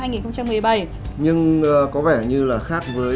nhưng có vẻ như là khác với